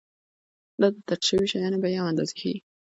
دا د درج شویو شیانو بیې او اندازې ښيي.